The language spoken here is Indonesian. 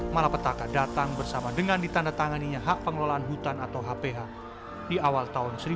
malapetaka datang bersama dengan ditanda tanganinya hak pengelolaan hutan atau hph di awal tahun seribu sembilan ratus delapan puluh